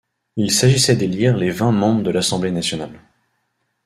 Il s'agissait d'élire les vingt membres de l'Assemblée nationale.